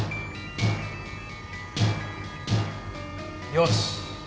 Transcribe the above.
よし！